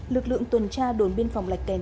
lực lượng tuần tra đồn biên phòng lạch kèn